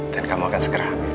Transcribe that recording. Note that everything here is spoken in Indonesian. dan kamu akan segera habis